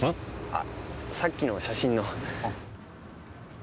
あさっきの写真の。